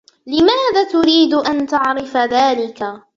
لماذا تريد أن تعرف ذلك ؟